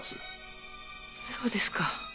そうですか。